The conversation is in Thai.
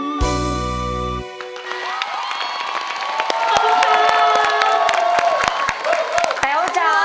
เสียงเท่าไหร่